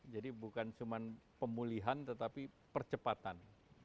jadi bukan cuma pemulihan tetapi percepatan